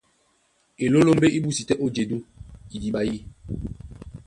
Elólómbé é búsi tɛ́ ó jedú idiɓa yî.